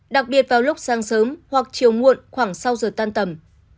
đặc biệt vào lúc sáng sớm hoặc chiều muộn khoảng sau giờ tan tầm